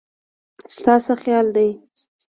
ستا څه خيال دی